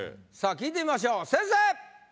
さぁ聞いてみましょう先生！